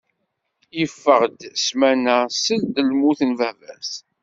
Yeffeɣ-d ssmana seld lmut n baba-s.